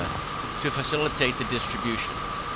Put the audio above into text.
to facilitate the distribution.